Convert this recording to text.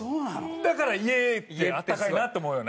だから家ってあったかいなって思うよね。